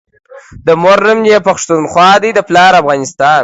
دمور نوم يی پښتونخوا دی دپلار افغانستان